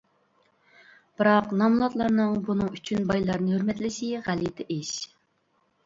بىراق، نامراتلارنىڭ بۇنىڭ ئۈچۈن بايلارنى ھۆرمەتلىشى غەلىتە ئىش.